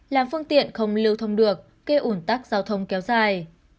làm phương tiện không lưu thông được gây ủn tắc giao thông kéo dài